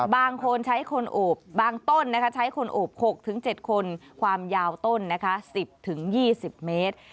บางต้นใช้คนอบ๖๗คนความยาวต้น๑๐๒๐เมตร